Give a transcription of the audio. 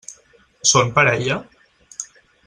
Són parella?